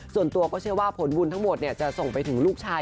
ส่วนตัวก็เชื่อว่าผลบุญทั้งหมดจะส่งไปถึงลูกชาย